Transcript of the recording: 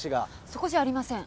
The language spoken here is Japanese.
そこじゃありません。